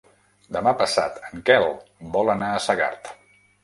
Demà passat en Quel vol anar a Segart.